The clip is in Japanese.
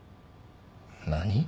何？